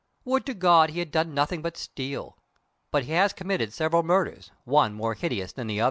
Would to God he had done nothing but steal! But he has committed several murders, one more hideous than the other."